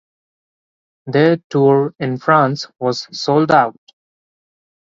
Their tour in France was sold out.